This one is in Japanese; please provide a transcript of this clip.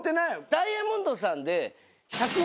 ダイヤモンドさんで。